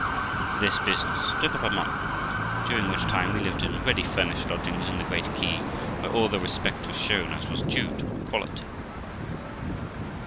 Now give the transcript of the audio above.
This business took up a month, during which time we lived in 402 THE LIFE OF ROXANA ready furnished lodgings on the Great Quay, where all the respect was shown us as was due to our quality.